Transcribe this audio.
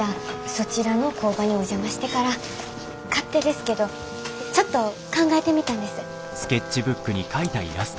そちらの工場にお邪魔してから勝手ですけどちょっと考えてみたんです。